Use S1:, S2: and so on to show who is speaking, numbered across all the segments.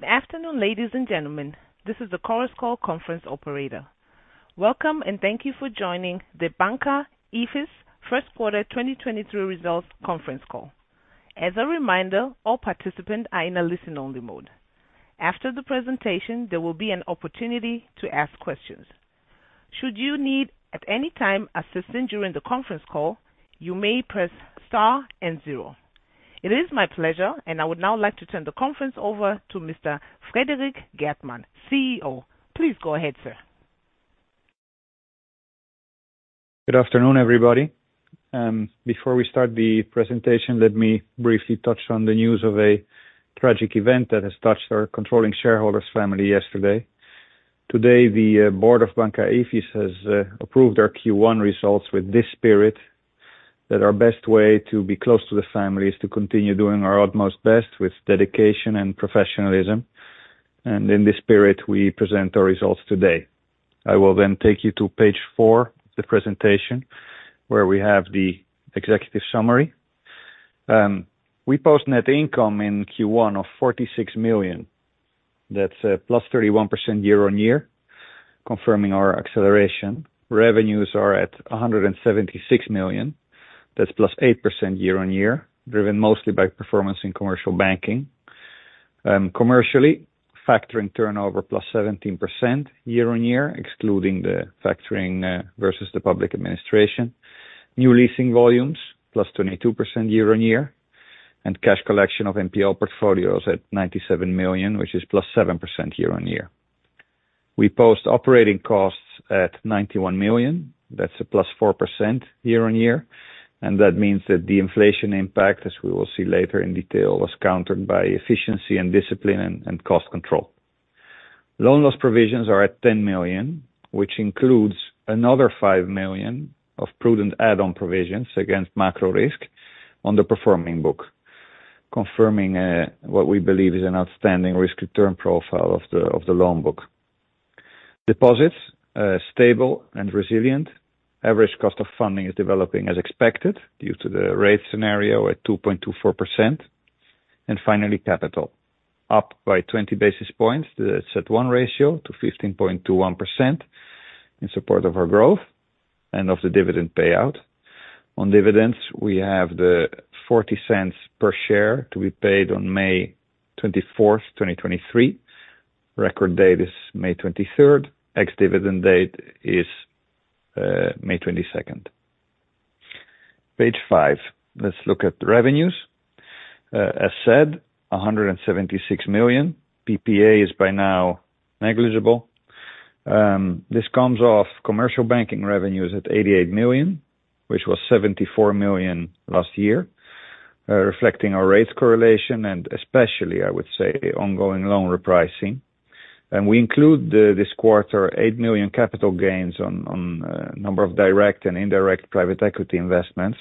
S1: Good afternoon, ladies and gentlemen. This is the Chorus Call conference operator. Welcome and thank you for joining the Banca IFIS first quarter 2023 results conference call. As a reminder, all participants are in a listen-only mode. After the presentation, there will be an opportunity to ask questions. Should you need, at any time, assistance during the conference call, you may press star and zero. It is my pleasure, and I would now like to turn the conference over to Mr. Frederik Geertman, CEO. Please go ahead, sir.
S2: Good afternoon, everybody. Before we start the presentation, let me briefly touch on the news of a tragic event that has touched our controlling shareholder's family yesterday. Today, the board of Banca IFIS has approved our Q1 results with this spirit, that our best way to be close to the family is to continue doing our utmost best with dedication and professionalism. In this spirit, we present our results today. I will take you to page four of the presentation, where we have the executive summary. We post net income in Q1 of 46 million. That's +31% year-on-year, confirming our acceleration. Revenues are at 176 million. That's +8% year-on-year, driven mostly by performance in commercial banking. Commercially, factoring turnover +17% year-over-year, excluding the factoring versus the public administration. New leasing volumes +22% year-over-year, cash collection of NPL portfolios at 97 million, which is +7% year-over-year. We post operating costs at 91 million. That's a +4% year-over-year, that means that the inflation impact, as we will see later in detail, was countered by efficiency and discipline and cost control. Loan loss provisions are at 10 million, which includes another 5 million of prudent add-on provisions against macro risk on the performing book, confirming what we believe is an outstanding risk to turn profile of the loan book. Deposits are stable and resilient. Average cost of funding is developing as expected due to the rate scenario at 2.24%. Finally, capital. Up by 20 basis points. The CET1 ratio to 15.21% in support of our growth and of the dividend payout. On dividends, we have the 0.40 per share to be paid on May 24th, 2023. Record date is May 23rd. Ex dividend date is May 22nd. Page five. Let's look at the revenues. As said, 176 million. PPA is by now negligible. This comes off commercial banking revenues at 88 million, which was 74 million last year, reflecting our rates correlation, and especially, I would say, ongoing loan repricing. We include this quarter 8 million capital gains on a number of direct and indirect private equity investments.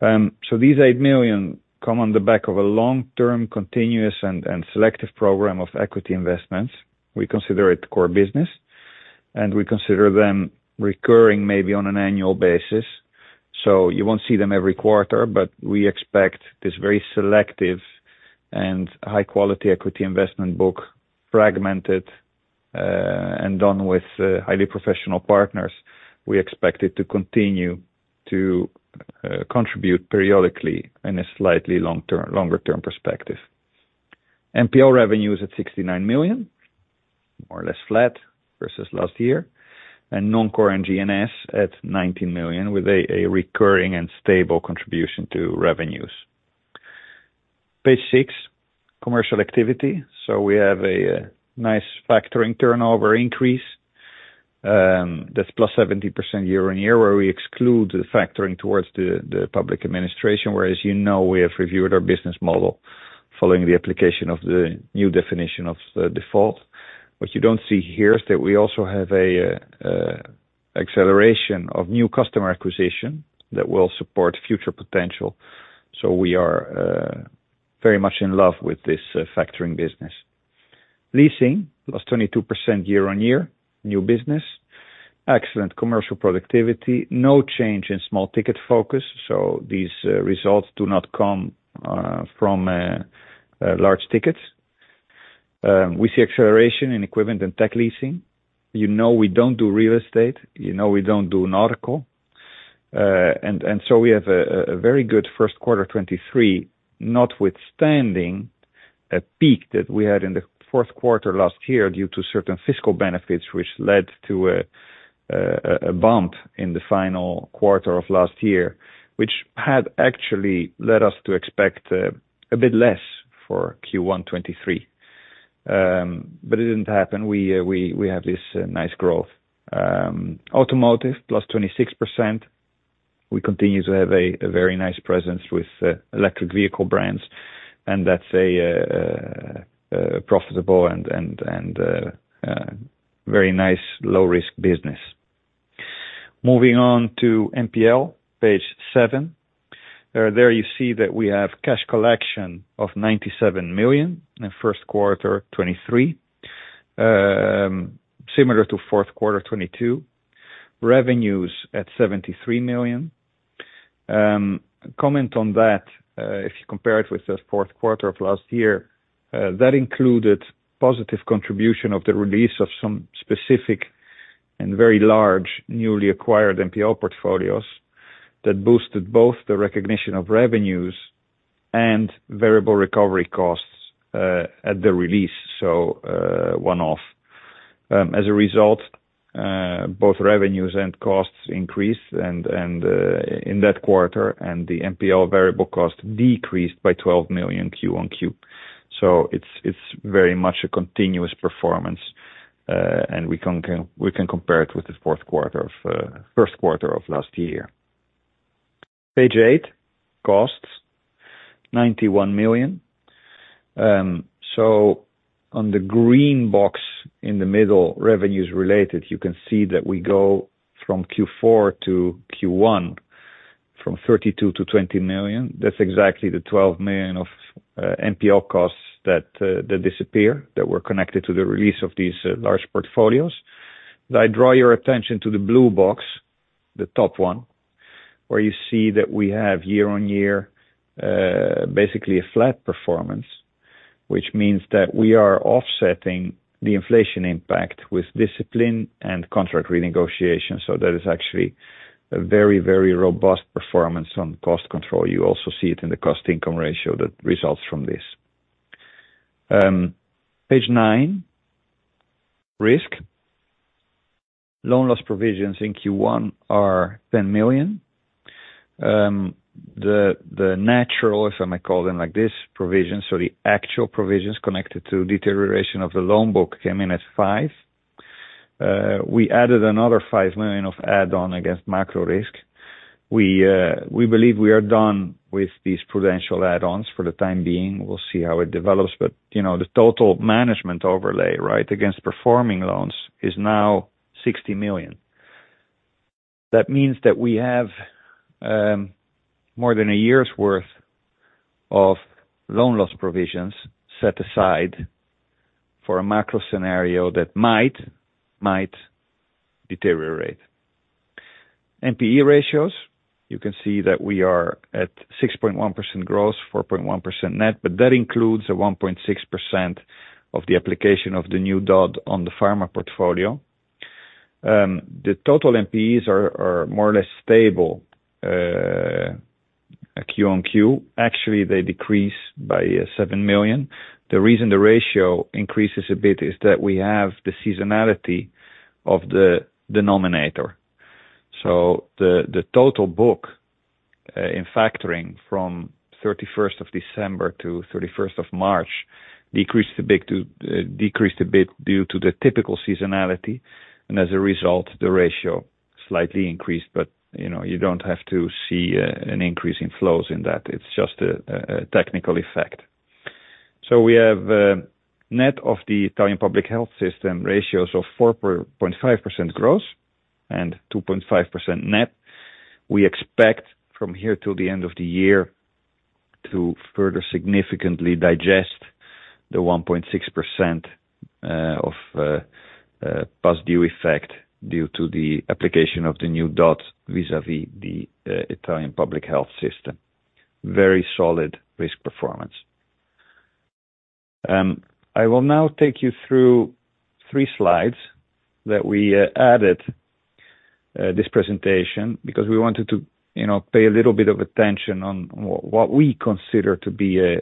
S2: These 8 million come on the back of a long-term, continuous, and selective program of equity investments. We consider it core business, and we consider them recurring maybe on an annual basis. You won't see them every quarter, but we expect this very selective and high-quality equity investment book fragmented, and done with highly professional partners. We expect it to continue to contribute periodically in a slightly longer term perspective. NPL revenues at 69 million, more or less flat versus last year. Non-core GNS at 19 million with a recurring and stable contribution to revenues. Page six, commercial activity. We have a nice factoring turnover increase, that's +70% year-over-year, where we exclude the factoring towards the public administration, whereas you know we have reviewed our business model following the application of the New Definition of Default. What you don't see here is that we also have a acceleration of new customer acquisition that will support future potential. We are very much in love with this factoring business. Leasing +22% year-on-year. New business. Excellent commercial productivity. No change in small ticket focus, so these results do not come from large tickets. We see acceleration in equipment and tech leasing. You know we don't do real estate. You know we don't do nautical. We have a very good first quarter 2023, notwithstanding a peak that we had in the fourth quarter last year due to certain fiscal benefits, which led to a bump in the final quarter of last year. Which had actually led us to expect a bit less for Q1 2023. It didn't happen. We have this nice growth. Automotive +26%. We continue to have a very nice presence with electric vehicle brands, and that's a profitable and very nice low-risk business. Moving on to NPL, page seven. There you see that we have cash collection of 97 million in first quarter 2023. Similar to fourth quarter 2022. Revenues at 73 million. Comment on that, if you compare it with the fourth quarter of last year, that included positive contribution of the release of some specific and very large newly acquired NPL portfolios that boosted both the recognition of revenues and variable recovery costs at the release. One-off. As a result, both revenues and costs increased and in that quarter, the NPL variable cost decreased by 12 million Q-on-Q. It's very much a continuous performance, and we can compare it with the fourth quarter of first quarter of last year. Page eight, costs, 91 million. On the green box in the middle, revenues related, you can see that we go from Q4 to Q1, from 32 million-20 million. That's exactly the 12 million of NPL costs that disappear, that were connected to the release of these large portfolios. I draw your attention to the blue box, the top one, where you see that we have year-over-year basically a flat performance, which means that we are offsetting the inflation impact with discipline and contract renegotiation. That is actually a very, very robust performance on cost control. You also see it in the cost-income ratio that results from this. Page nine, risk. Loan loss provisions in Q1 are 10 million. The natural, if I may call them like this, provisions, so the actual provisions connected to deterioration of the loan book came in at 5 million. We added another 5 million of add-on against macro risk. We believe we are done with these prudential add-ons for the time being. We'll see how it develops. You know, the total management overlay, right, against performing loans is now 60 million. That means that we have more than a year's worth of loan loss provisions set aside for a macro scenario that might deteriorate. NPE ratios, you can see that we are at 6.1% gross, 4.1% net. That includes a 1.6% of the application of the new DOD on the pharma portfolio. The total NPEs are more or less stable Q-on-Q. Actually, they decrease by 7 million. The reason the ratio increases a bit is that we have the seasonality of the denominator. The total book in factoring from 31st of December to 31st of March decreased a bit due to the typical seasonality, and as a result, the ratio slightly increased. You know, you don't have to see an increase in flows in that. It's just a technical effect. We have net of the Italian public health system ratios of 4.5% gross and 2.5% net. We expect from here till the end of the year to further significantly digest the 1.6% of past due effect due to the application of the new DOD vis-à-vis the Italian public health system. Very solid risk performance. I will now take you through three slides that we added this presentation because we wanted to, you know, pay a little bit of attention on what we consider to be a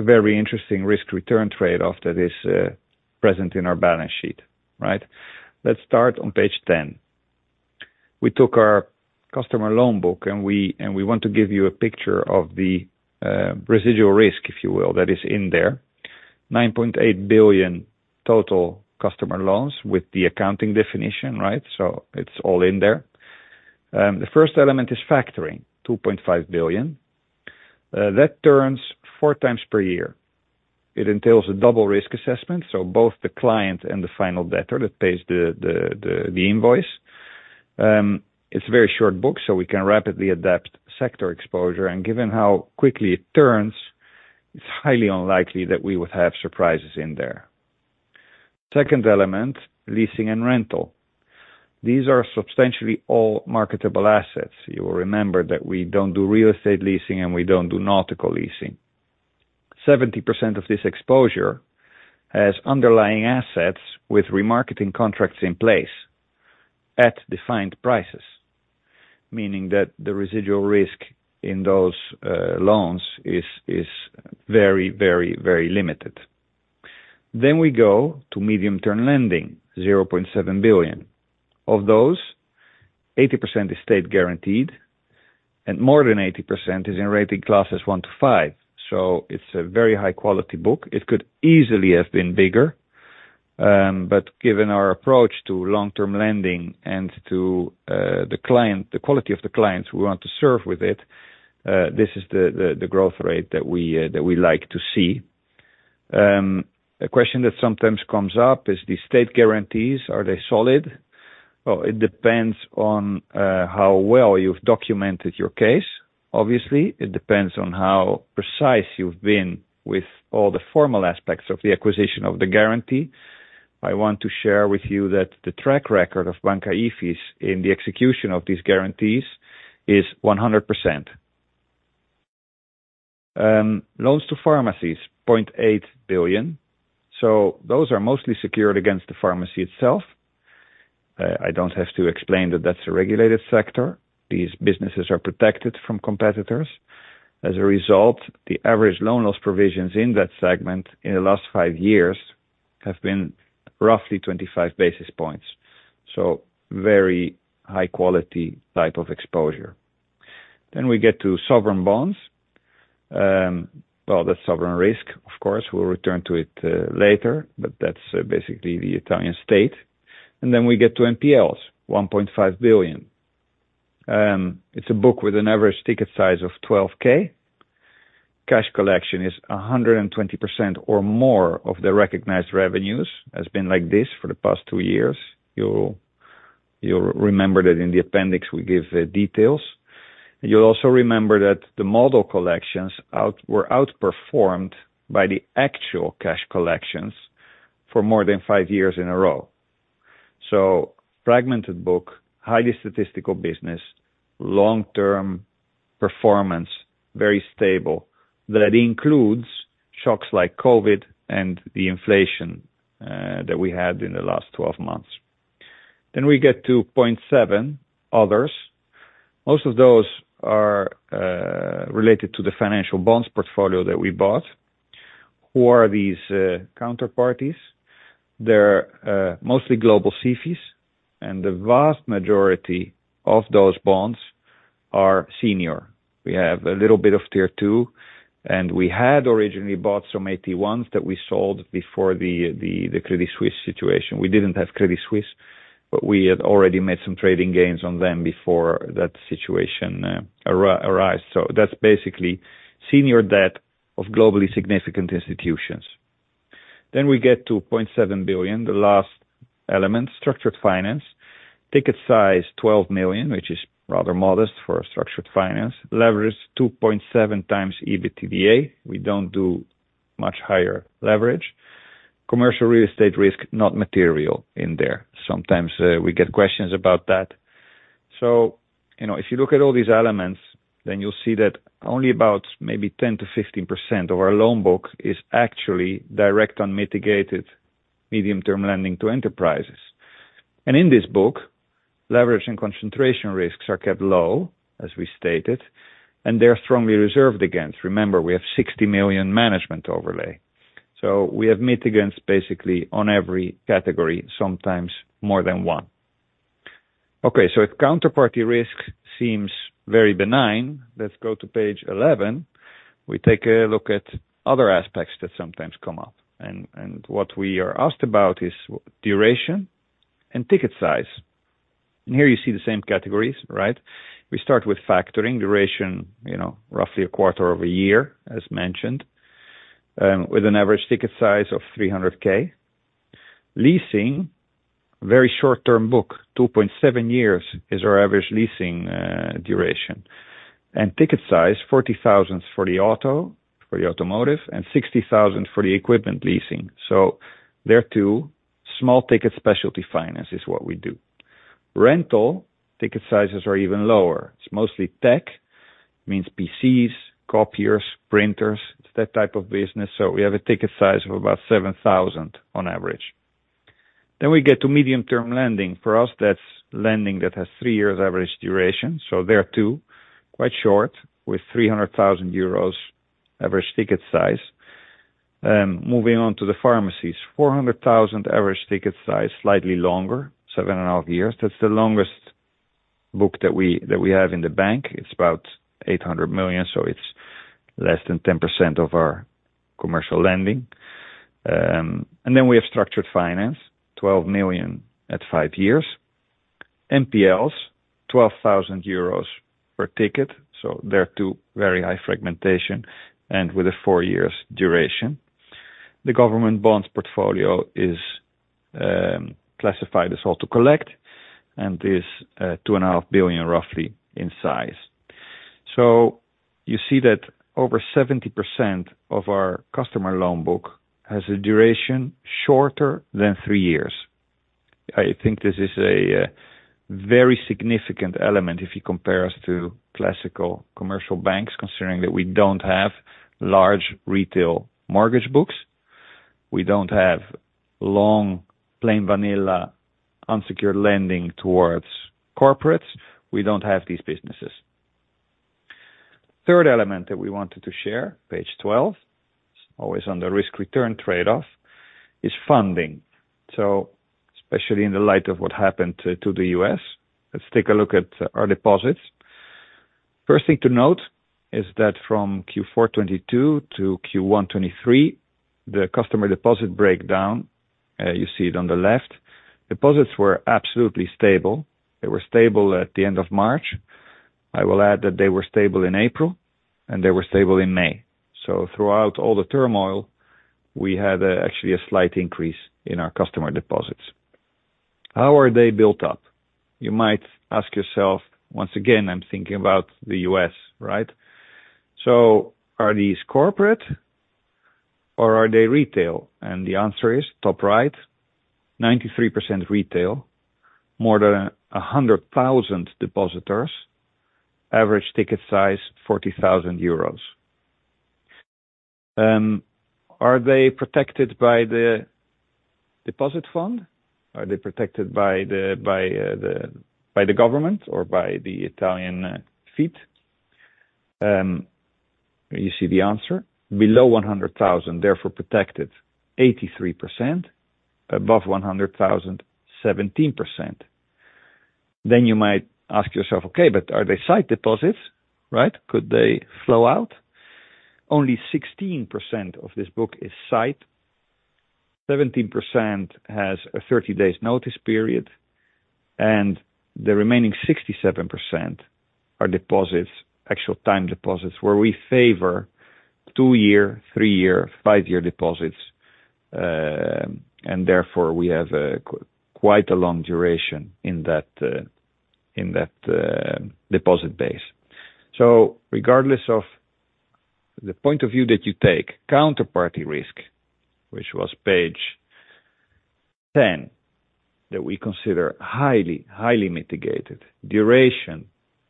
S2: very interesting risk-return trade-off that is present in our balance sheet, right? Let's start on page 10. We took our customer loan book, and we want to give you a picture of the residual risk, if you will, that is in there. 9.8 billion total customer loans with the accounting definition, right? It's all in there. The first element is factoring, 2.5 billion. That turns four times per year. It entails a double risk assessment, so both the client and the final debtor that pays the invoice. It's a very short book, so we can rapidly adapt sector exposure, and given how quickly it turns, it's highly unlikely that we would have surprises in there. Second element, leasing and rental. These are substantially all marketable assets. You will remember that we don't do real estate leasing, and we don't do nautical leasing. 70% of this exposure has underlying assets with remarketing contracts in place at defined prices, meaning that the residual risk in those loans is very, very, very limited. We go to medium-term lending, 0.7 billion. Of those, 80% is state guaranteed, and more than 80% is in rating classes one to five. It's a very high-quality book. It could easily have been bigger, given our approach to long-term lending and to the quality of the clients we want to serve with it, this is the, the growth rate that we that we like to see. A question that sometimes comes up is the state guarantees. Are they solid? Well, it depends on how well you've documented your case, obviously. It depends on how precise you've been with all the formal aspects of the acquisition of the guarantee. I want to share with you that the track record of Banca IFIS in the execution of these guarantees is 100%. Loans to pharmacies, 0.8 billion. Those are mostly secured against the pharmacy itself. I don't have to explain that that's a regulated sector. These businesses are protected from competitors. As a result, the average loan loss provisions in that segment in the last five years have been roughly 25 basis points. Very high quality type of exposure. We get to sovereign bonds, well, the sovereign risk, of course, we'll return to it later, but that's basically the Italian state. We get to NPLs, 1.5 billion. It's a book with an average ticket size of 12K. Cash collection is 120% or more of the recognized revenues, has been like this for the past two years. You'll remember that in the appendix, we give the details. You'll also remember that the model collections were outperformed by the actual cash collections for more than five years in a row. Fragmented book, highly statistical business, long term performance, very stable. That includes shocks like COVID and the inflation that we had in the last 12 months. We get to point seven, others. Most of those are related to the financial bonds portfolio that we bought. Who are these counterparties? They're mostly global CFIs, and the vast majority of those bonds are senior. We have a little bit of tier two, and we had originally bought some AT1s that we sold before the Credit Suisse situation. We didn't have Credit Suisse, we had already made some trading gains on them before that situation arise. That's basically senior debt of globally significant institutions. We get to 0.7 billion, the last element, structured finance. Ticket size, 12 million, which is rather modest for a structured finance. Leverage, 2.7x EBITDA. We don't do much higher leverage. Commercial real estate risk, not material in there. Sometimes, we get questions about that. You know, if you look at all these elements, then you'll see that only about maybe 10%-15% of our loan book is actually direct unmitigated medium-term lending to enterprises. In this book, leverage and concentration risks are kept low, as we stated, and they're strongly reserved against. Remember, we have 60 million management overlay. We have mitigants basically on every category, sometimes more than one. Okay, if counterparty risk seems very benign, let's go to page 11. We take a look at other aspects that sometimes come up. And what we are asked about is duration and ticket size. Here you see the same categories, right? We start with factoring duration, you know, roughly a quarter of a year, as mentioned, with an average ticket size of 300K. Leasing, very short-term book, 2.7 years is our average leasing duration. Ticket size, 40,000 for the auto, for the automotive, and 60,000 for the equipment leasing. There are two small ticket specialty finance is what we do. Rental ticket sizes are even lower. It's mostly tech, means PCs, copiers, printers, that type of business. We have a ticket size of about 7,000 on average. We get to medium-term lending. For us, that's lending that has three years average duration. There are two, quite short, with 300,000 euros average ticket size. Moving on to the pharmacies. 400,000 average ticket size, slightly longer, 7.5 years. That's the longest book that we have in the bank. It's about 800 million, so it's less than 10% of our commercial lending. We have structured finance, 12 million at five years. NPLs, 12,000 euros per ticket. There are two very high fragmentation, and with a four years duration. The government bonds portfolio is classified as held-to-collect and is 2.5 billion roughly in size. You see that over 70% of our customer loan book has a duration shorter than three years. I think this is a very significant element if you compare us to classical commercial banks, considering that we don't have large retail mortgage books, we don't have long plain vanilla unsecured lending towards corporates. We don't have these businesses. Third element that we wanted to share, page 12, always on the risk return trade-off, is funding. Especially in the light of what happened to the US, let's take a look at our deposits. First thing to note is that from Q4 2022 to Q1 2023, the customer deposit breakdown, you see it on the left. Deposits were absolutely stable. They were stable at the end of March. I will add that they were stable in April, and they were stable in May. Throughout all the turmoil, we had actually a slight increase in our customer deposits. How are they built up? You might ask yourself, once again, I'm thinking about the U.S., right? Are these corporate or are they retail? The answer is top right, 93% retail, more than 100,000 depositors. Average ticket size 40,000 euros. Are they protected by the deposit fund? Are they protected by the government or by the Italian FITD? You see the answer below 100,000, therefore protected 83%. Above 100,000, 17%. You might ask yourself, okay, are they sight deposits, right? Could they flow out? Only 16% of this book is sight. 17% has a 30 days notice period. The remaining 67% are deposits, actual time deposits, where we favor two year, three year, five year deposits. Therefore we have quite a long duration in that deposit base. Regardless of the point of view that you take counterparty risk, which was page 10, that we consider highly mitigated. Duration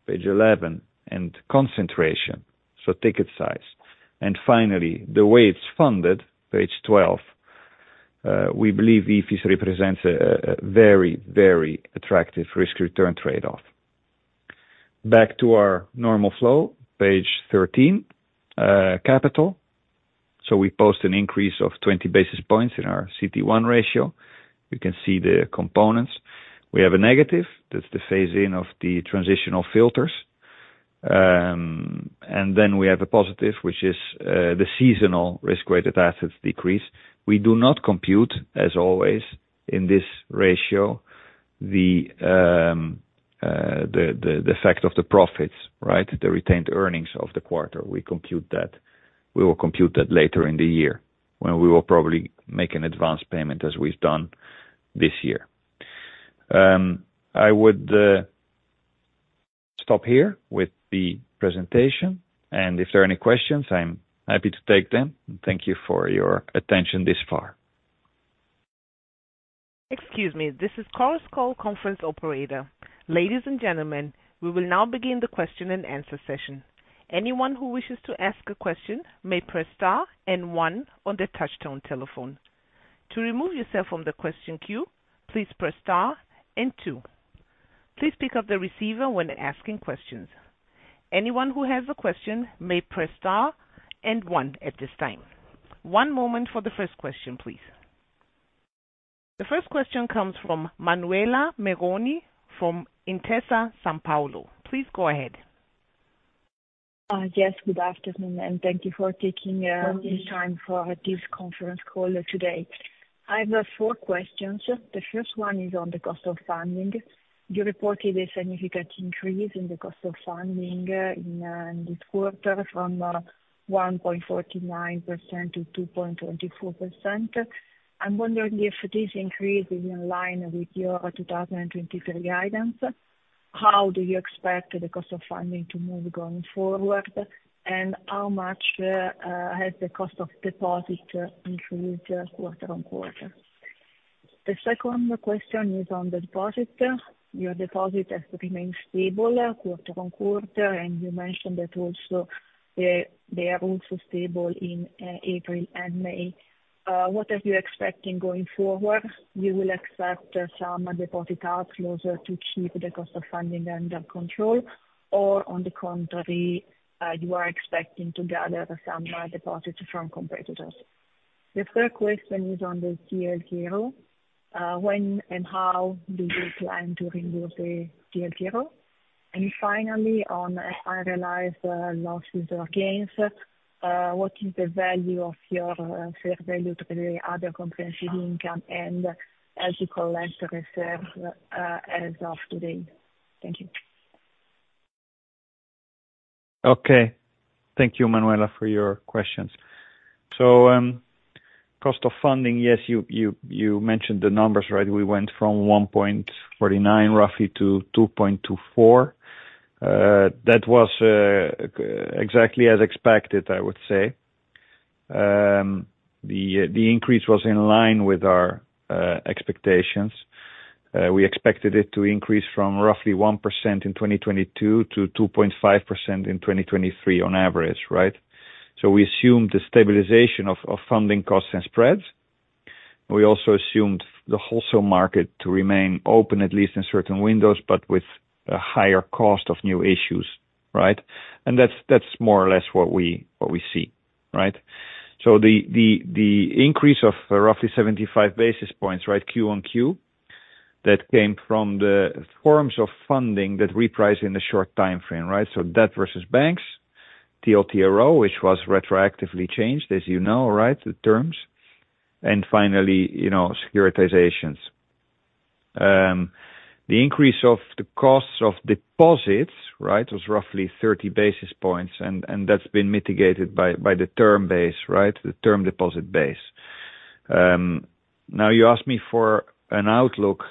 S2: page 11, and concentration, so ticket size. Finally the way it's funded, page 12. We believe IFIS represents a very, very attractive risk return trade-off. Back to our normal flow. Page 13, capital. We post an increase of 20 basis points in our CET1 ratio. You can see the components. We have a negative. That's the phase-in of the transitional filters. We have a positive, which is the seasonal risk-weighted assets decrease. We do not compute as always in this ratio, the fact of the profits, right? The retained earnings of the quarter. We compute that. We will compute that later in the year when we will probably make an advance payment as we've done this year. I would stop here with the presentation, and if there are any questions, I'm happy to take them. Thank you for your attention this far.
S1: Excuse me, this is Chorus Call Conference operator. Ladies and gentlemen, we will now begin the question and answer session. Anyone who wishes to ask a question may press star one on their touchtone telephone. To remove yourself from the question queue, please press star two. Please pick up the receiver when asking questions. Anyone who has a question may press star one at this time. One moment for the first question, please. The first question comes from Manuela Meroni from Intesa Sanpaolo. Please go ahead.
S3: Yes, good afternoon, thank you for taking this time for this conference call today. I have four questions. The first one is on the cost of funding. You reported a significant increase in the cost of funding in this quarter from 1.49% to 2.24%. I'm wondering if this increase is in line with your 2023 guidance. How do you expect the cost of funding to move going forward? How much has the cost of deposit increased quarter-on-quarter? The second question is on the deposit. Your deposit has remained stable quarter-on-quarter, and you mentioned that also they are also stable in April and May. What are you expecting going forward? You will accept some deposit outflows to keep the cost of funding under control or on the contrary, you are expecting to gather some deposits from competitors. The third question is on the TLTRO. When and how do you plan to renew the TLTRO? Finally on unrealized losses or gains, what is the value of your fair value to the Other Comprehensive Income and as you collect reserve as of today? Thank you.
S2: Okay. Thank you, Manuela, for your questions. Cost of funding. Yes. You mentioned the numbers, right? We went from 1.49% roughly to 2.24%. That was exactly as expected, I would say. The increase was in line with our expectations. We expected it to increase from roughly 1% in 2022 to 2.5% in 2023 on average, right? We assumed the stabilization of funding costs and spreads. We also assumed the wholesale market to remain open at least in certain windows, but with a higher cost of new issues, right. That's more or less what we, what we see, right. The increase of roughly 75 basis points, right, Q on Q, that came from the forms of funding that reprice in the short timeframe, right. Debt versus banks, TLTRO, which was retroactively changed, as you know, right, the terms. Finally, you know, securitizations. The increase of the costs of deposits, right, was roughly 30 basis points, and that's been mitigated by the term base, right, the term deposit base. Now you ask me for an outlook.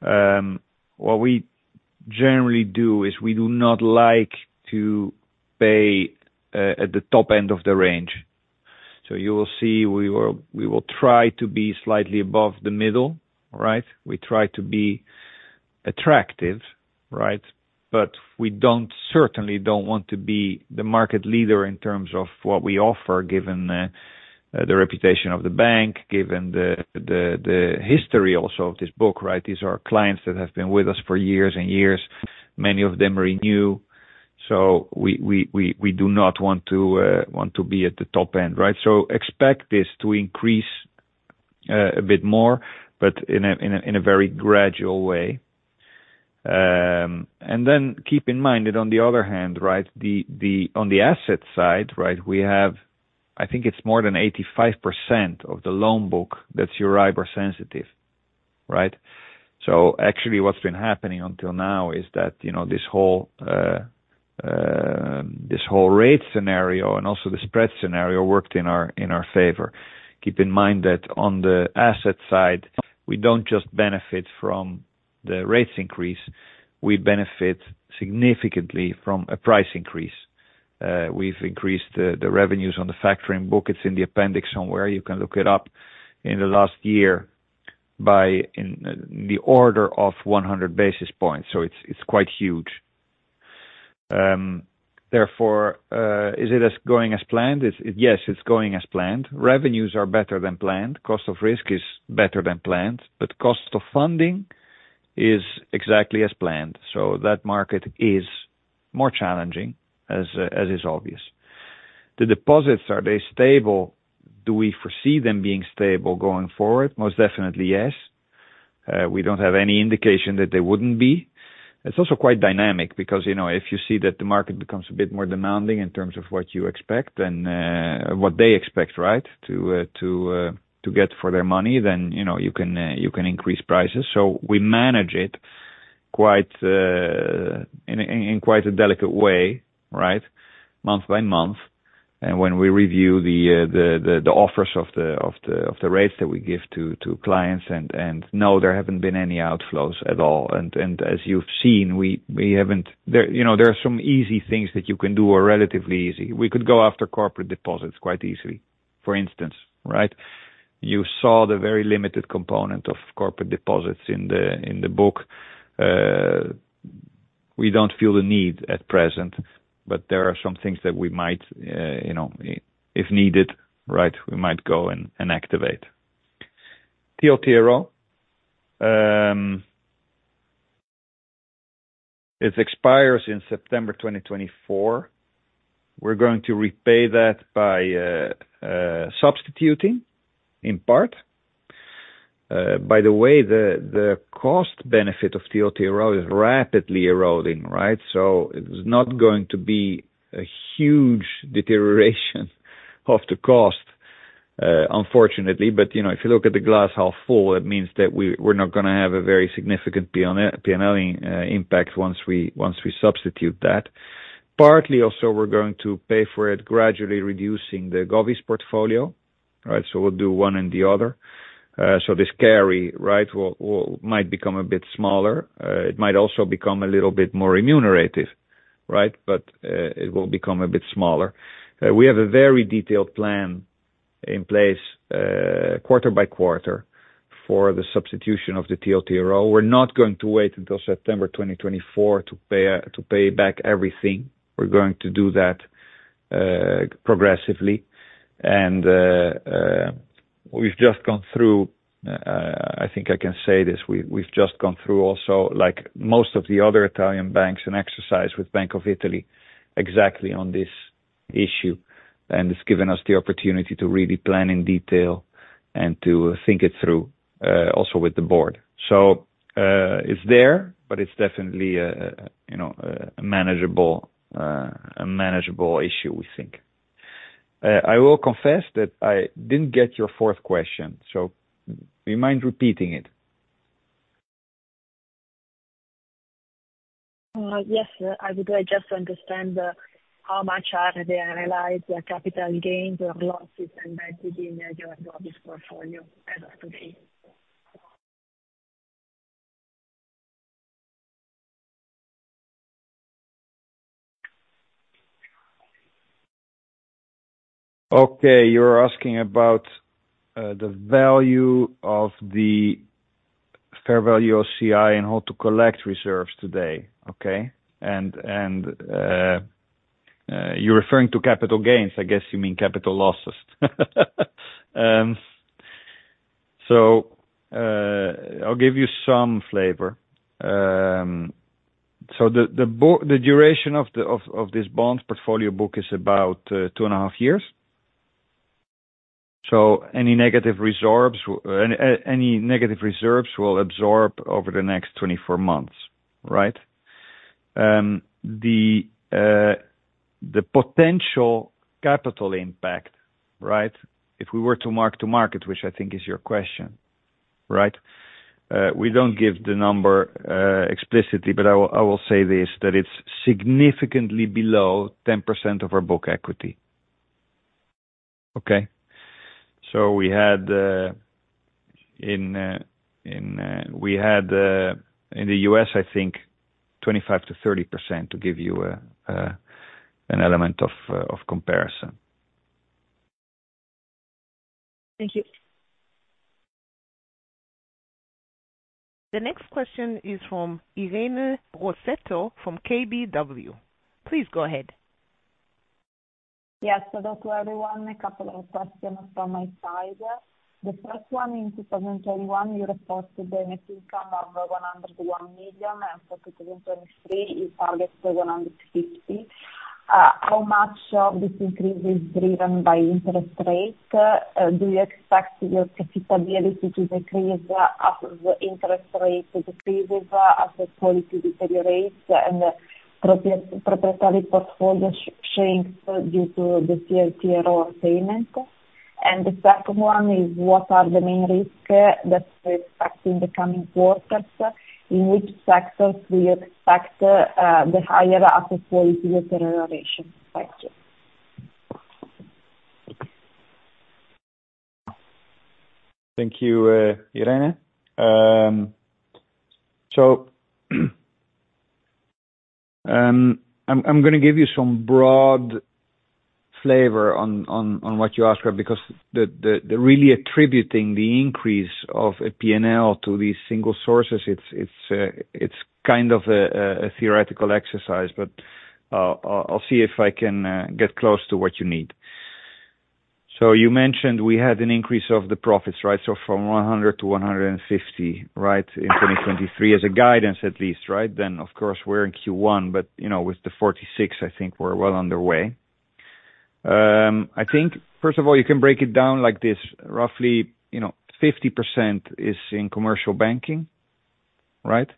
S2: What we generally do is we do not like to pay at the top end of the range. You will see we will try to be slightly above the middle, right? We try to be attractive, right? We certainly don't want to be the market leader in terms of what we offer, given the reputation of the bank, given the history also of this book, right? These are clients that have been with us for years and years. Many of them renew. We do not want to want to be at the top end, right? Expect this to increase a bit more, but in a very gradual way. Keep in mind that on the other hand, right, On the asset side, right, we have... I think it's more than 85% of the loan book that's EURIBOR sensitive, right? Actually what's been happening until now is that, you know, this whole rate scenario and also the spread scenario worked in our, in our favor. Keep in mind that on the asset side, we don't just benefit from the rates increase, we benefit significantly from a price increase. We've increased the revenues on the factoring book. It's in the appendix somewhere. You can look it up in the last year by, in the order of 100 basis points. It's quite huge. Therefore, is it as going as planned? Yes, it's going as planned. Revenues are better than planned. Cost of risk is better than planned, but cost of funding is exactly as planned. That market is more challenging as is obvious. The deposits, are they stable? Do we foresee them being stable going forward? Most definitely, yes. We don't have any indication that they wouldn't be. It's also quite dynamic because, you know, if you see that the market becomes a bit more demanding in terms of what you expect then, what they expect, right, to, to get for their money, then, you know, you can increase prices. We manage it quite, in, in quite a delicate way, right, month by month. When we review the, the offers of the, of the, of the rates that we give to clients, no, there haven't been any outflows at all. As you've seen, we haven't. You know, there are some easy things that you can do are relatively easy. We could go after corporate deposits quite easily, for instance, right? You saw the very limited component of corporate deposits in the, in the book. We don't feel the need at present, but there are some things that we might, you know, if needed, right, we might go and activate. TLTRO, it expires in September 2024. We're going to repay that by substituting in part. By the way, the cost benefit of TLTRO is rapidly eroding, right? It's not going to be a huge deterioration of the cost, unfortunately. You know, if you look at the glass half full, it means that we're not gonna have a very significant PNL impact once we, once we substitute that. Partly also, we're going to pay for it gradually reducing the Govvies portfolio, right? We'll do one and the other. This carry, right, might become a bit smaller. It might also become a little bit more remunerative, right? It will become a bit smaller. We have a very detailed plan in place, quarter by quarter for the substitution of the TLTRO. We're not going to wait until September 2024 to pay back everything. We're going to do that progressively. We've just gone through, I think I can say this, we've just gone through also like most of the other Italian banks, an exercise with Bank of Italy exactly on this issue, and it's given us the opportunity to really plan in detail and to think it through also with the board. It's there, but it's definitely a, you know, a manageable, a manageable issue, we think. I will confess that I didn't get your fourth question, so do you mind repeating it?
S3: Yes. I would like just to understand, how much are the analyzed capital gains or losses embedded in your Govvies portfolio as of today?
S2: Okay. You're asking about the value of the fair value OCI and how to collect reserves today. Okay. You're referring to capital gains. I guess you mean capital losses. I'll give you some flavor. The duration of this bond portfolio book is about two and a half years. Any negative resorbs, any negative reserves will absorb over the next 24 months, right? The potential capital impact, right? If we were to mark to market, which I think is your question, right? We don't give the number explicitly, but I will say this, that it's significantly below 10% of our book equity. Okay. We had in the US, I think 25%-30% to give you an element of comparison.
S1: Thank you. The next question is from Elena Perini, from KBW. Please go ahead.
S4: Yes, hello to everyone. A couple of questions from my side. The first one, in 2021, you reported a net income of 101 million, and for 2023, you target 150 million. How much of this increase is driven by interest rates? Do you expect your profitability to decrease as the interest rate decreases, as the quality deteriorates and the proprietary portfolio shrinks due to the TLTRO loan payment? The second one is, what are the main risks that we expect in the coming quarters? In which sectors do you expect the higher asset quality deterioration? Thank you.
S2: Thank you, Elena Perini. I'm gonna give you some broad flavor on what you asked for, because the really attributing the increase of a P&L to these single sources, it's kind of a theoretical exercise. I'll see if I can get close to what you need. You mentioned we had an increase of the profits, right? From 100 to 150, right? In 2023 as a guidance at least, right? Of course, we're in Q1, but, you know, with the 46, I think we're well underway. I think first of all, you can break it down like this. Roughly, you know, 50% is in commercial banking, right?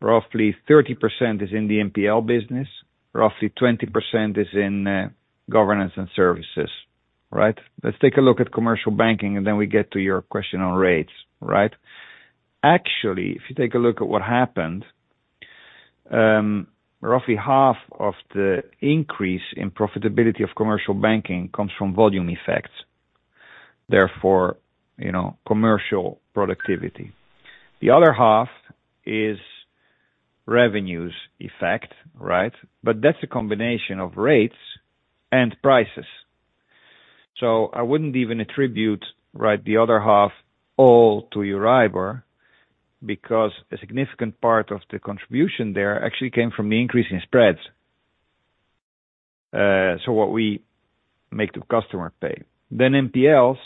S2: Roughly 30% is in the NPL business. Roughly 20% is in governance and services, right? Let's take a look at commercial banking, and then we get to your question on rates, right? Actually, if you take a look at what happened, roughly half of the increase in profitability of commercial banking comes from volume effects, therefore, you know, commercial productivity. The other half is revenues effect, right? That's a combination of rates and prices. I wouldn't even attribute, right, the other half all to EURIBOR, because a significant part of the contribution there actually came from the increase in spreads. What we make the customer pay. NPLs,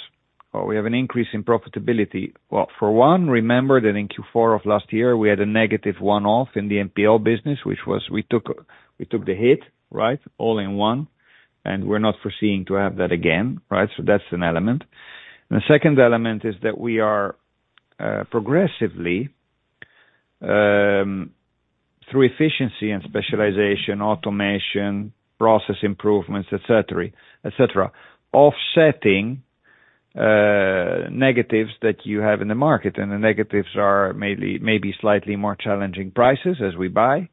S2: we have an increase in profitability. Well, for one, remember that in Q4 of last year, we had a negative one-off in the NPL business, which was we took the hit, right? All in one, we're not foreseeing to have that again, right? That's an element. The second element is that we are progressively through efficiency and specialization, automation, process improvements, et cetera, et cetera, offsetting negatives that you have in the market. The negatives are maybe slightly more challenging prices as we buy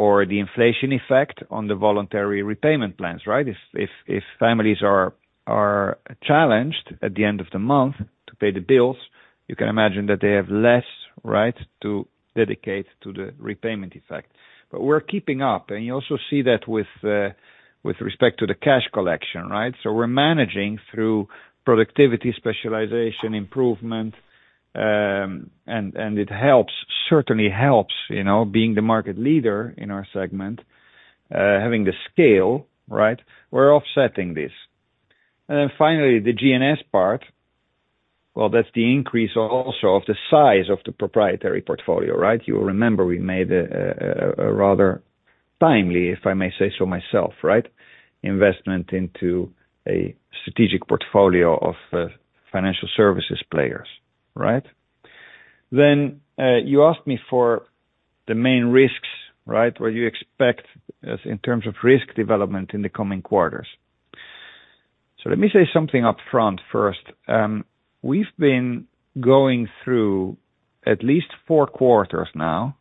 S2: or the inflation effect on the voluntary repayment plans, right? If families are challenged at the end of the month to pay the bills, you can imagine that they have less, right, to dedicate to the repayment effect. We're keeping up, and you also see that with respect to the cash collection, right? We're managing through productivity, specialization, improvement, and it helps, certainly helps, you know, being the market leader in our segment, having the scale, right? We're offsetting this. Finally, the GNS part. That's the increase also of the size of the proprietary portfolio, right? You'll remember we made a rather timely, if I may say so myself, right, investment into a strategic portfolio of financial services players, right? You asked me for the main risks, right? What you expect as in terms of risk development in the coming quarters? Let me say something up front first. We've been going through at least four quarters now,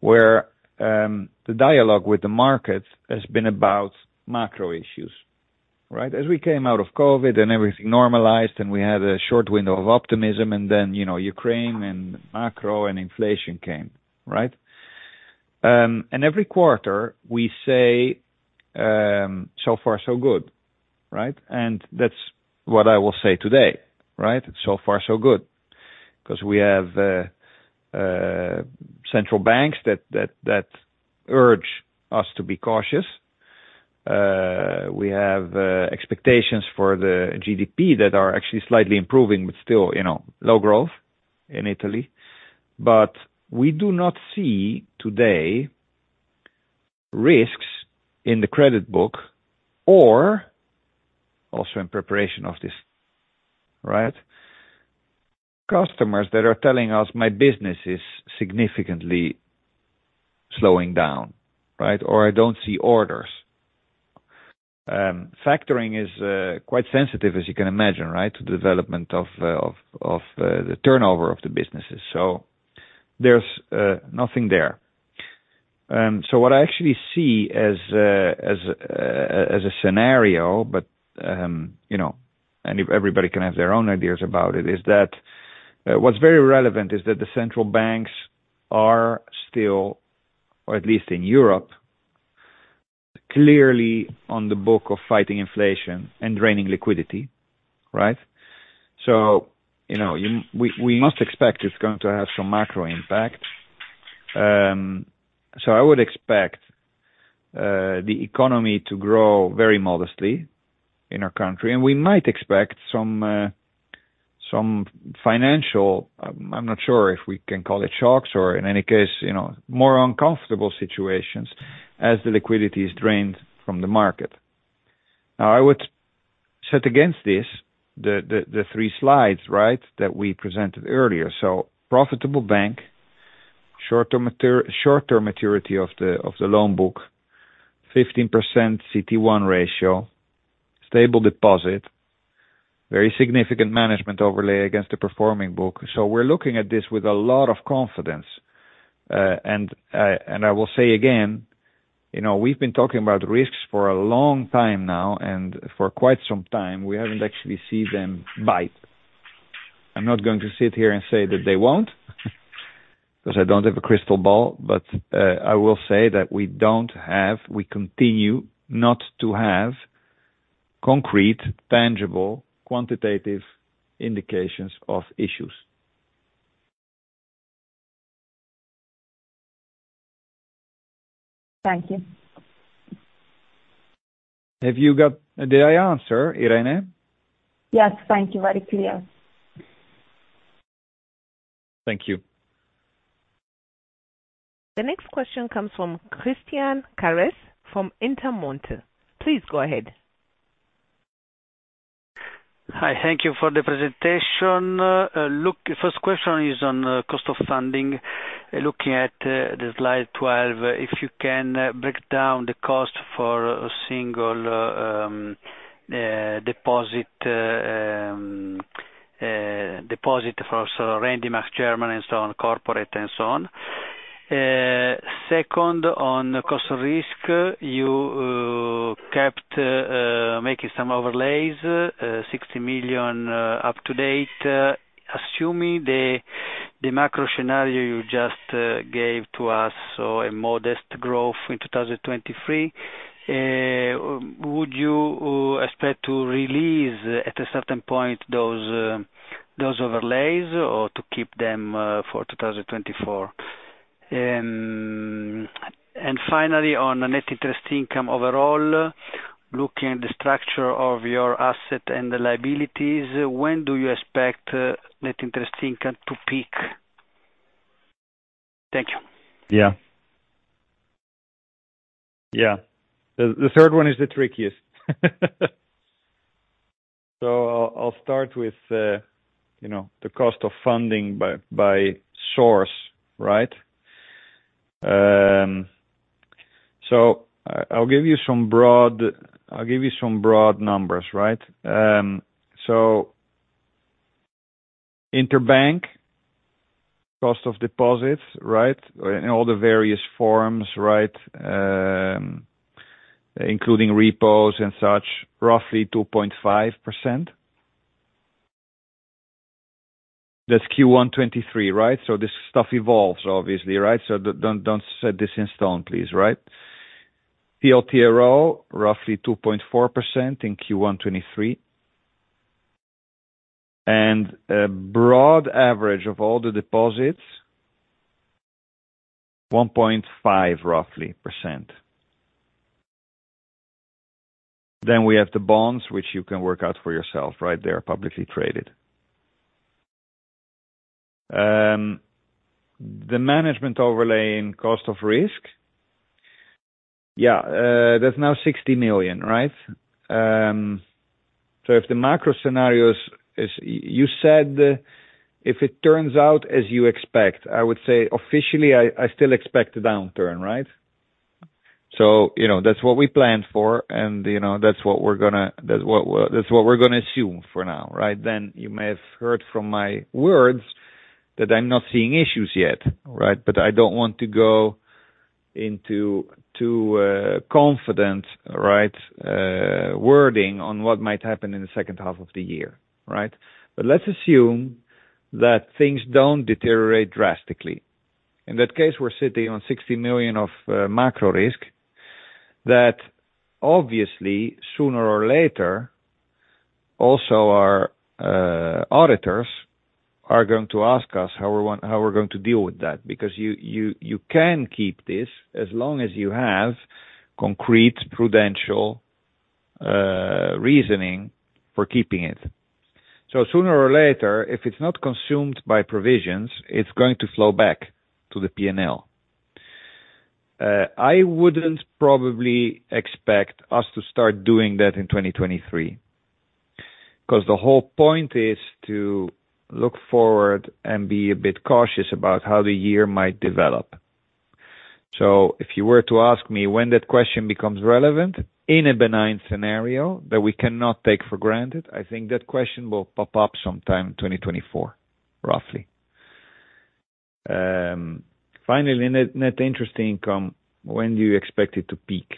S2: where the dialogue with the markets has been about macro issues, right? We came out of COVID and everything normalized, and we had a short window of optimism, and then, you know, Ukraine and macro and inflation came, right? Every quarter we say, so far so good, right? That's what I will say today, right? So far so good. 'Cause we have central banks that urge us to be cautious. We have expectations for the GDP that are actually slightly improving, but still, you know, low growth in Italy. We do not see today risks in the credit book or also in preparation of this, right? Customers that are telling us my business is significantly slowing down, right? I don't see orders. Factoring is quite sensitive, as you can imagine, right? The development of the turnover of the businesses. There's nothing there. What I actually see as a scenario, but if everybody can have their own ideas about it, is that what's very relevant is that the central banks are still, or at least in Europe, clearly on the book of fighting inflation and draining liquidity, right? We must expect it's going to have some macro impact. I would expect the economy to grow very modestly in our country, and we might expect some financial... I'm not sure if we can call it shocks or in any case, more uncomfortable situations as the liquidity is drained from the market. Now I would set against this the three slides, right? That we presented earlier. Profitable bank, short-term maturity of the, of the loan book, 15% CT1 ratio, stable deposit, very significant management overlay against the performing book. We're looking at this with a lot of confidence. And I will say again, you know, we've been talking about risks for a long time now, and for quite some time, we haven't actually seen them bite. I'm not going to sit here and say that they won't, 'cause I don't have a crystal ball, but I will say that we continue not to have concrete, tangible, quantitative indications of issues.
S4: Thank you.
S2: Did I answer, Elene?
S4: Yes. Thank you. Very clear.
S2: Thank you.
S1: The next question comes from Christian Carrese from Intermonte. Please go ahead.
S5: Hi. Thank you for the presentation. Look, first question is on cost of funding. Looking at the slide 12, if you can break down the cost for single deposit for Rendimax, German and so on, corporate and so on. Second, on cost of risk, you kept making some overlays, 60 million up to date. Assuming the macro scenario you just gave to us or a modest growth in 2023, would you expect to release at a certain point those overlays or to keep them for 2024? Finally, on the net interest income overall, looking at the structure of your asset and the liabilities, when do you expect net interest income to peak? Thank you.
S2: Yeah. Yeah. The third one is the trickiest. I'll start with, you know, the cost of funding by source, right? I'll give you some broad numbers, right? Interbank cost of deposits, right? In all the various forms, right? Including repos and such, roughly 2.5%. That's Q1 2023, right? This stuff evolves obviously, right? Don't set this in stone, please, right? TLTRO, roughly 2.4% in Q1 2023. A broad average of all the deposits, 1.5, roughly, %. We have the bonds, which you can work out for yourself, right? They're publicly traded. The management overlay in cost of risk. Yeah. That's now 60 million, right? If the macro scenario is... You said if it turns out as you expect, I would say officially, I still expect a downturn, right? You know, that's what we planned for, and, you know, that's what we're gonna assume for now, right? You may have heard from my words that I'm not seeing issues yet, right? I don't want to go into too confident, right, wording on what might happen in the second half of the year, right? Let's assume that things don't deteriorate drastically. In that case, we're sitting on 60 million of macro risk that obviously sooner or later, also our auditors are going to ask us how we're going to deal with that. Because you can keep this as long as you have concrete, prudential reasoning for keeping it. Sooner or later, if it's not consumed by provisions, it's going to flow back to the P&L. I wouldn't probably expect us to start doing that in 2023, 'cause the whole point is to look forward and be a bit cautious about how the year might develop. If you were to ask me when that question becomes relevant in a benign scenario that we cannot take for granted, I think that question will pop up sometime in 2024, roughly. Finally, net interest income, when do you expect it to peak?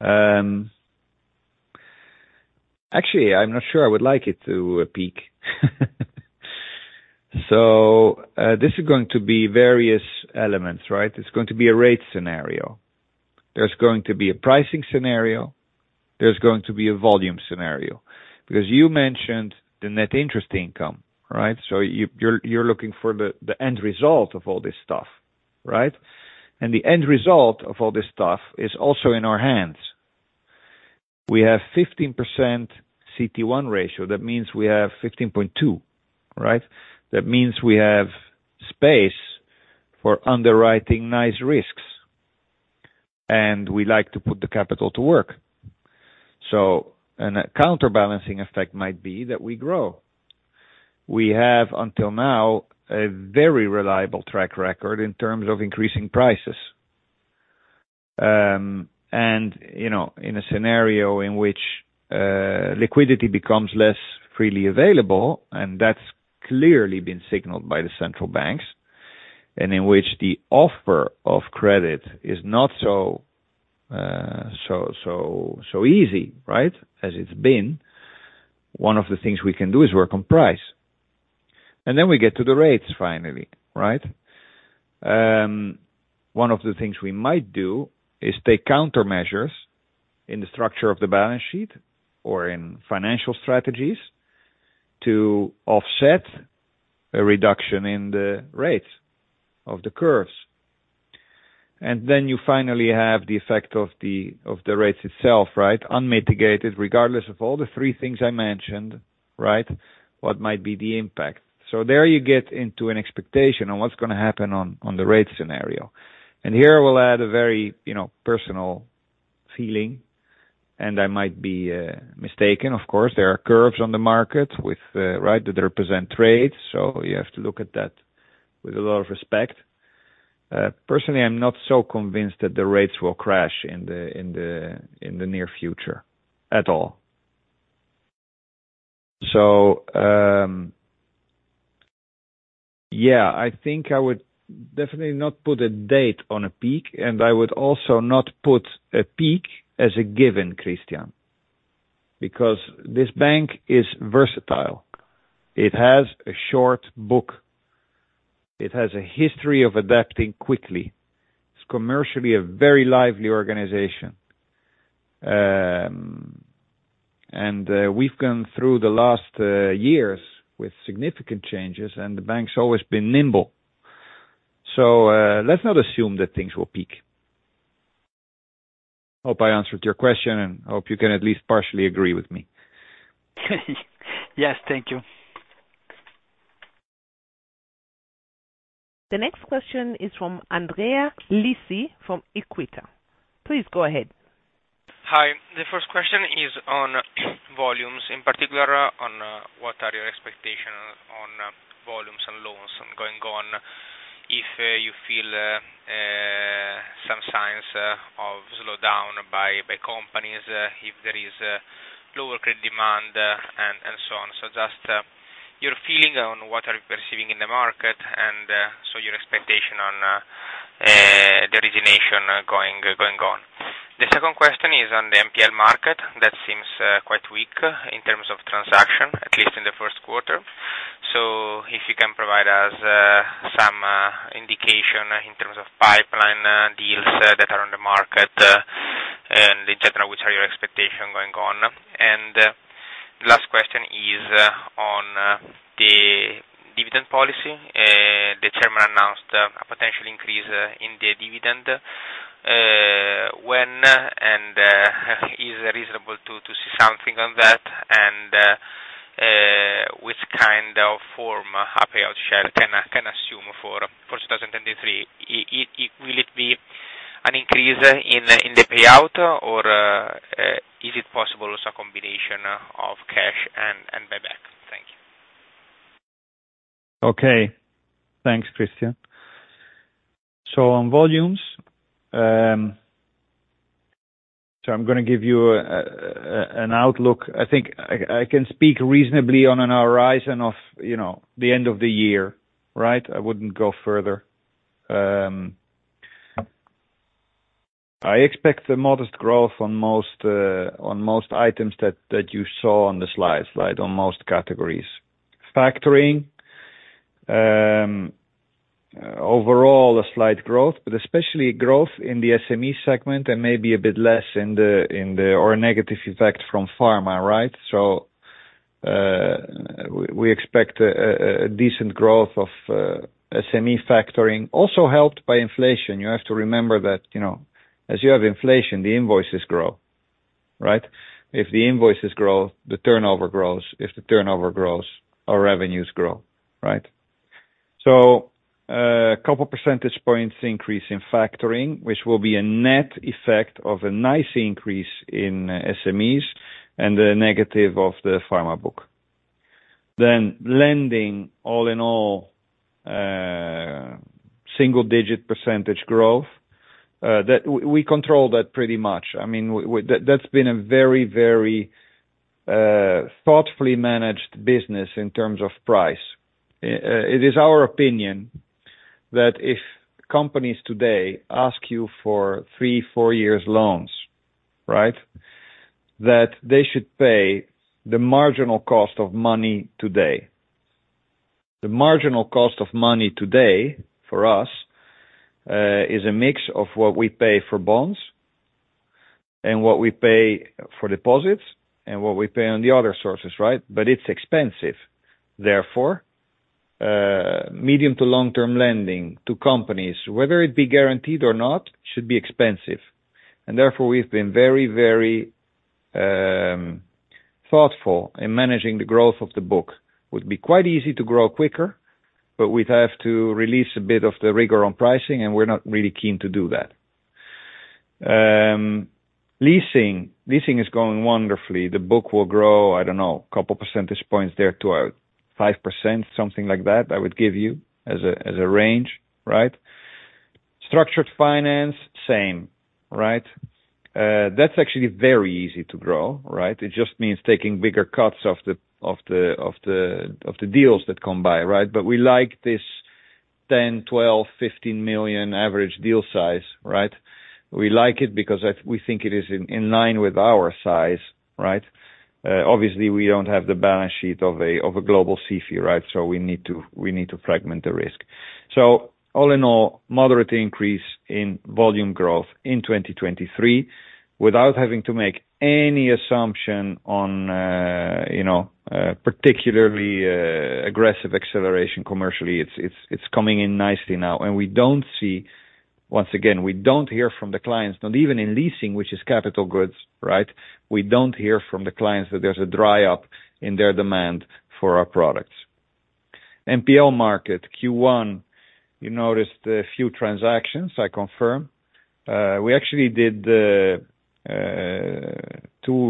S2: Actually, I'm not sure I would like it to peak. This is going to be various elements, right? It's going to be a rate scenario. There's going to be a pricing scenario. There's going to be a volume scenario. Because you mentioned the net interest income, right? You're looking for the end result of all this stuff, right? The end result of all this stuff is also in our hands. We have 15% CET1 ratio. That means we have 15.2, right? That means we have space for underwriting nice risks, and we like to put the capital to work. An counterbalancing effect might be that we grow. We have, until now, a very reliable track record in terms of increasing prices. You know, in a scenario in which liquidity becomes less freely available, and that's clearly been signaled by the central banks, and in which the offer of credit is not so easy, right? As it's been. One of the things we can do is work on price. We get to the rates finally, right? One of the things we might do is take countermeasures in the structure of the balance sheet or in financial strategies to offset a reduction in the rates of the curves. You finally have the effect of the rates itself, right? Unmitigated, regardless of all the three things I mentioned, right. What might be the impact? There you get into an expectation on what's gonna happen on the rate scenario. Here we'll add a very, you know, personal feeling, and I might be mistaken, of course. There are curves on the market with... right? That represent rates, so you have to look at that with a lot of respect. Personally, I'm not so convinced that the rates will crash in the near future at all. Yeah, I think I would definitely not put a date on a peak, and I would also not put a peak as a given, Christian. This bank is versatile. It has a short book. It has a history of adapting quickly. It's commercially a very lively organization. We've gone through the last years with significant changes, and the bank's always been nimble. Let's not assume that things will peak. Hope I answered your question, and hope you can at least partially agree with me.
S6: Yes. Thank you.
S1: The next question is from Andrea Lisi from Equita. Please go ahead.
S7: Hi. The first question is on volumes, in particular on what are your expectations on volumes and loans and going on if you feel some signs of slowdown by companies, if there is lower credit demand and so on. Just your feeling on what are you perceiving in the market and your expectation on the origination going on. The second question is on the NPL market. That seems quite weak in terms of transaction, at least in the first quarter. If you can provide us some indication in terms of pipeline, deals that are on the market and et cetera, which are your expectation going on. Last question is on the dividend policy.
S6: The chairman announced a potential increase in the dividend. When is it reasonable to see something on that? Which kind of form Payout share can assume for 2023? Will it be an increase in the payout or is it possible as a combination of cash and buyback? Thank you.
S2: Thanks, Christian. On volumes, I'm gonna give you an outlook. I think I can speak reasonably on an horizon of, you know, the end of the year, right? I wouldn't go further. I expect a modest growth on most on most items that you saw on the slides, right? On most categories. Factoring, overall a slight growth, but especially growth in the SME segment and maybe a bit less Or a negative effect from pharma, right? We expect a decent growth of SME factoring, also helped by inflation. You have to remember that, you know, as you have inflation, the invoices grow, right? If the invoices grow, the turnover grows. If the turnover grows, our revenues grow, right? Couple percentage points increase in factoring, which will be a net effect of a nice increase in SMEs and the negative of the pharma book. Lending all in all, single-digit percentage growth. We control that pretty much. I mean, that's been a very, very thoughtfully managed business in terms of price. It is our opinion that if companies today ask you for three, four years loans, right? They should pay the marginal cost of money today. The marginal cost of money today, for us, is a mix of what we pay for bonds and what we pay for deposits and what we pay on the other sources, right? It's expensive. Medium to long-term lending to companies, whether it be guaranteed or not, should be expensive. Therefore, we've been very, very thoughtful in managing the growth of the book. Would be quite easy to grow quicker, but we'd have to release a bit of the rigor on pricing, and we're not really keen to do that. Leasing. Leasing is going wonderfully. The book will grow, I don't know, couple percentage points there to 5%, something like that, I would give you as a range, right? Structured finance, same, right? That's actually very easy to grow, right? It just means taking bigger cuts of the deals that come by, right? We like this 10 million, 12 million, 15 million average deal size, right? We like it because that. We think it is in line with our size, right? Obviously we don't have the balance sheet of a global SIFI, right? We need to fragment the risk. All in all, moderate increase in volume growth in 2023 without having to make any assumption on, you know, particularly aggressive acceleration commercially. It's coming in nicely now. Once again, we don't hear from the clients, not even in leasing, which is capital goods, right? We don't hear from the clients that there's a dry up in their demand for our products. NPL market, Q1, you noticed a few transactions, I confirm. We actually did two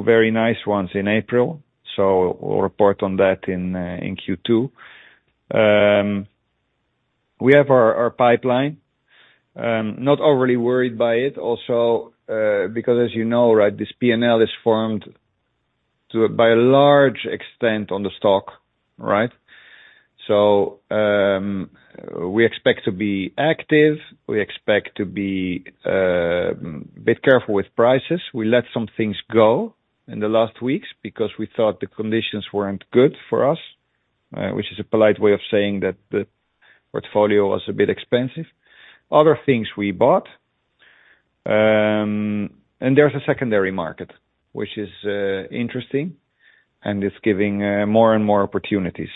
S2: very nice ones in April, so we'll report on that in Q2. We have our pipeline, not overly worried by it also, because as you know, right, this P&L is formed by a large extent on the stock, right? We expect to be active, we expect to be bit careful with prices. We let some things go in the last weeks because we thought the conditions weren't good for us, which is a polite way of saying that the portfolio was a bit expensive. Other things we bought, and there's a secondary market, which is interesting and it's giving more and more opportunities.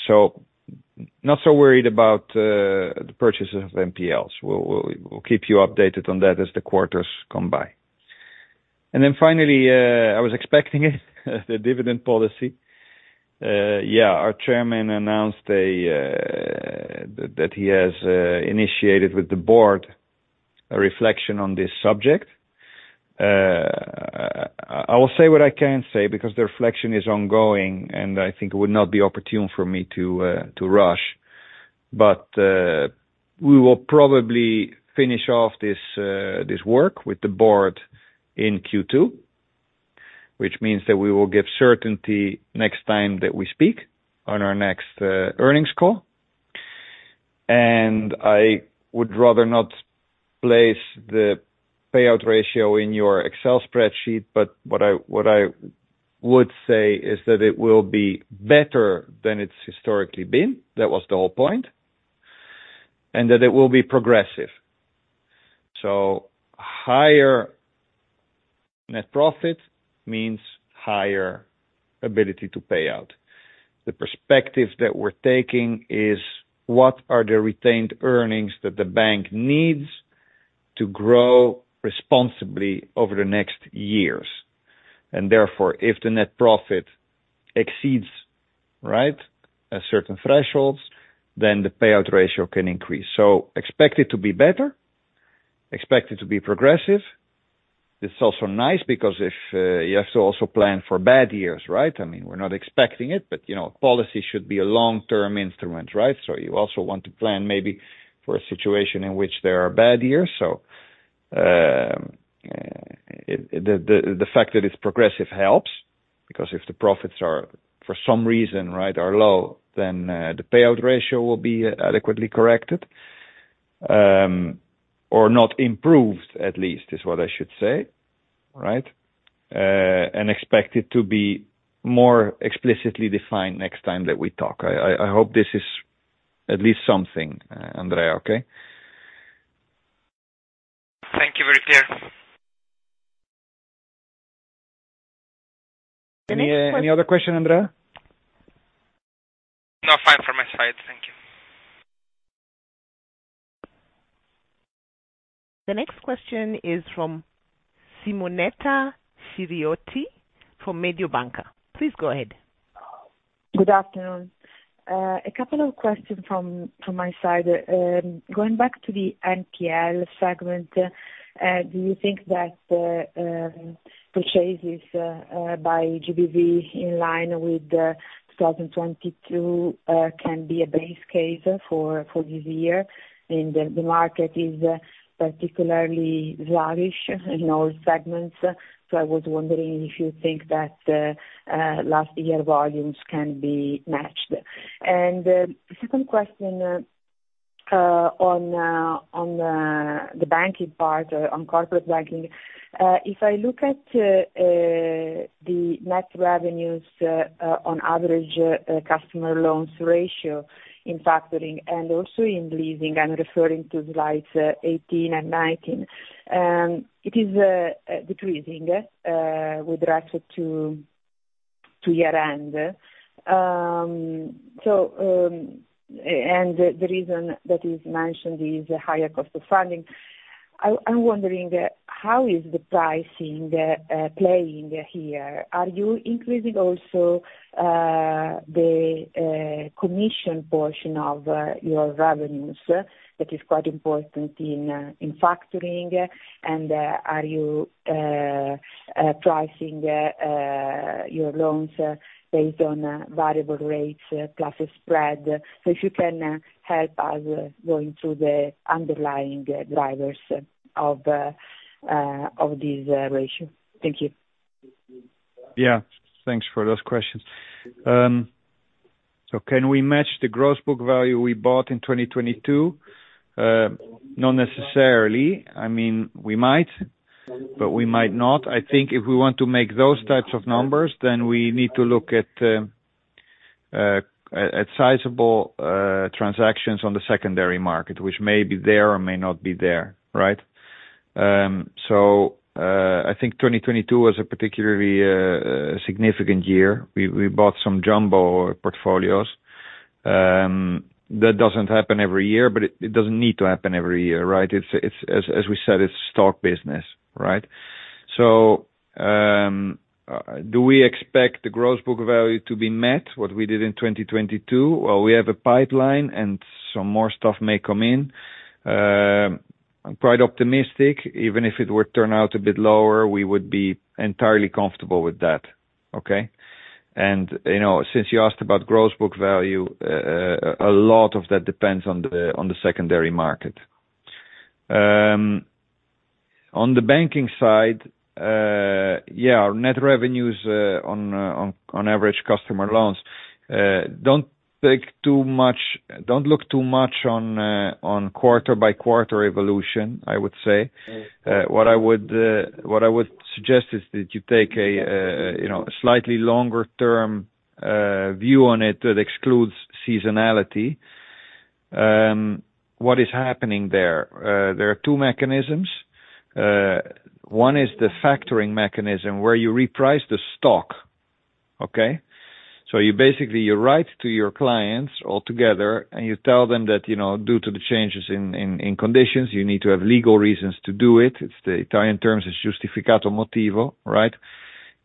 S2: Not so worried about the purchase of NPLs. We'll keep you updated on that as the quarters come by. Finally, I was expecting it, the dividend policy. Yeah, our chairman announced a that he has initiated with the board a reflection on this subject. I will say what I can say because the reflection is ongoing, and I think it would not be opportune for me to rush. We will probably finish off this work with the board in Q2, which means that we will give certainty next time that we speak on our next earnings call. I would rather not place the payout ratio in your Excel spreadsheet, but what I would say is that it will be better than it's historically been. That was the whole point. That it will be progressive. Higher net profit means higher ability to pay out. The perspective that we're taking is: What are the retained earnings that the bank needs to grow responsibly over the next years? Therefore, if the net profit exceeds, right, a certain thresholds, then the payout ratio can increase. Expect it to be better, expect it to be progressive. It's also nice because if... You have to also plan for bad years, right? I mean, we're not expecting it, but you know, policy should be a long-term instrument, right? You also want to plan maybe for a situation in which there are bad years. The fact that it's progressive helps, because if the profits are, for some reason, right, are low, then, the payout ratio will be adequately corrected. Not improved at least, is what I should say, right? Expect it to be more explicitly defined next time that we talk. I hope this is at least something, Andrea, okay?
S7: Thank you. Very clear.
S2: Any other question, Andrea?
S7: No further.
S1: The next question is from Simonetta Chiriotti from Mediobanca. Please go ahead.
S6: Good afternoon. A couple of questions from my side. Going back to the NPL segment, do you think that purchases by GBV in line with 2022 can be a base case for this year? The market is particularly bullish in all segments, so I was wondering if you think that last year volumes can be matched. Second question on the banking part, on corporate banking. If I look at the net revenues on average customer loans ratio in factoring and also in leasing, I'm referring to slides 18 and 19. It is decreasing with respect to year-end. The reason that is mentioned is higher cost of funding. I'm wondering how is the pricing playing here? Are you increasing also the commission portion of your revenues? That is quite important in factoring. Are you pricing your loans based on variable rates plus spread? If you can help us going through the underlying drivers of this ratio. Thank you.
S2: Thanks for those questions. Can we match the gross book value we bought in 2022? Not necessarily. I mean, we might, but we might not. I think if we want to make those types of numbers, then we need to look at sizable transactions on the secondary market, which may be there or may not be there, right? I think 2022 was a particularly significant year. We bought some jumbo portfolios. That doesn't happen every year, but it doesn't need to happen every year, right? It's. As we said, it's stock business, right? Do we expect the gross book value to be met, what we did in 2022? Well, we have a pipeline, and some more stuff may come in. I'm quite optimistic. Even if it would turn out a bit lower, we would be entirely comfortable with that. Okay? You know, since you asked about gross book value, a lot of that depends on the secondary market. On the banking side, our net revenues on average customer loans, don't look too much on quarter by quarter evolution, I would say. What I would, what I would suggest is that you take a, you know, a slightly longer term view on it that excludes seasonality. What is happening there? There are two mechanisms. One is the factoring mechanism, where you reprice the stock. Okay? You basically, you write to your clients altogether, and you tell them that, due to the changes in conditions, you need to have legal reasons to do it. It's the Italian terms, it's giustificato motivo, right?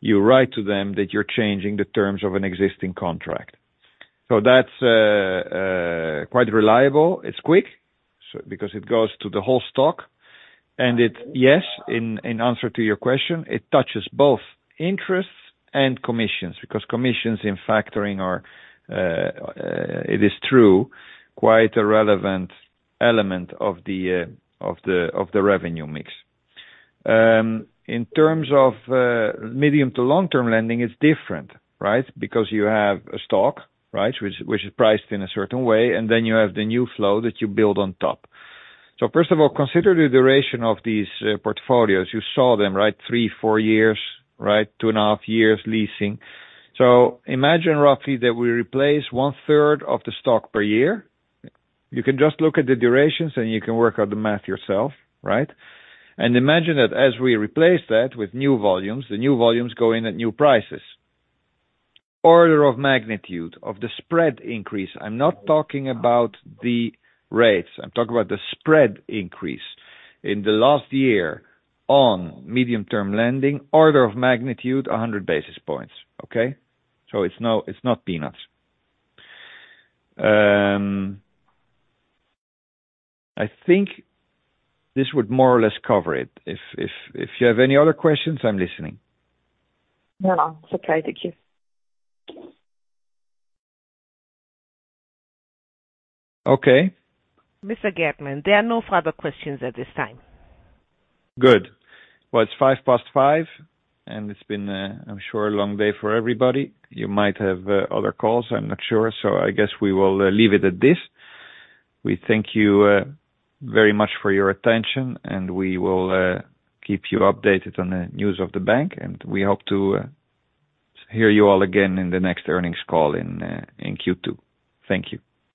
S2: You write to them that you're changing the terms of an existing contract. That's quite reliable. It's quick, because it goes to the whole stock. Yes, in answer to your question, it touches both interests and commissions, because commissions in factoring are, it is true, quite a relevant element of the revenue mix. In terms of medium to long term lending, it's different, right? Because you have a stock, right? Which is priced in a certain way, and then you have the new flow that you build on top. First of all, consider the duration of these portfolios. You saw them, right? three, four years, right? two and a half years leasing. Imagine roughly that we replace one-third of the stock per year. You can just look at the durations, and you can work out the math yourself, right? Imagine that as we replace that with new volumes, the new volumes go in at new prices. Order of magnitude of the spread increase. I'm not talking about the rates, I'm talking about the spread increase. In the last year on medium-term lending, order of magnitude, 100 basis points. Okay? It's not peanuts. I think this would more or less cover it. If you have any other questions, I'm listening.
S6: No, no. It's okay. Thank you.
S2: Okay.
S1: Mr. Geertman, there are no further questions at this time.
S2: Good. Well, it's five past five, and it's been a, I'm sure, a long day for everybody. You might have other calls, I'm not sure. I guess we will leave it at this. We thank you very much for your attention, and we will keep you updated on the news of the bank, and we hope to hear you all again in the next earnings call in Q2. Thank you.